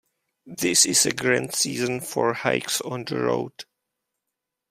This is a grand season for hikes on the road.